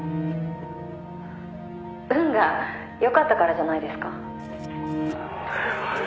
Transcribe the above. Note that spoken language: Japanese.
「運が良かったからじゃないですか？」